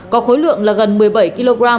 có khối lượng là gần một mươi bảy kg